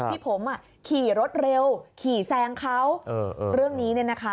ที่ผมอ่ะขี่รถเร็วขี่แซงเขาเรื่องนี้เนี่ยนะคะ